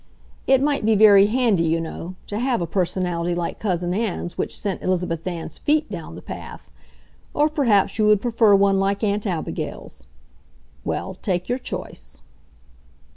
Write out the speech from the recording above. It might be very handy, you know, to have a personality like Cousin Ann's which sent Elizabeth Ann's feet down the path; or perhaps you would prefer one like Aunt Abigail's. Well, take your choice.